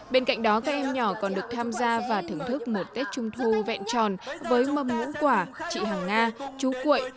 bên cạnh đó các em nhỏ còn được tham gia và thưởng thức một tết trung thu vẹn tròn với mâm ngũ quả chị hàng nga chú quậy